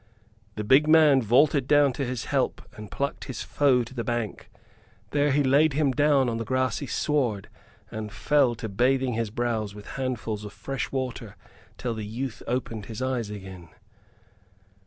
The big man vaulted down to his help, and plucked his foe to the bank. There he laid him down on the grassy sward and fell to bathing his brows with handfuls of fresh water till the youth opened his eyes again.